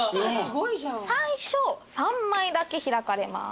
最初３枚だけ開かれます。